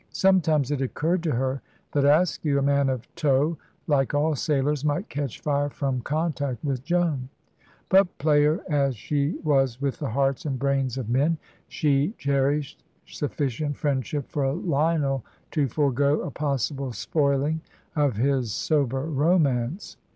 Sometimes it occurred to her that Askew, a man of tow like all sailors, might catch fire from contact with Joan; but, player as she was with the hearts and brains of men, she cherished sufficient friendship for Lionel to forgo a possible spoiling of his sober romance.